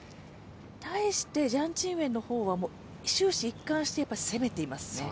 対してジャン・チンウェンは、終始一貫して攻めていますね。